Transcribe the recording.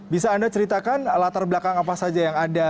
bisa anda ceritakan latar belakang apa saja yang ada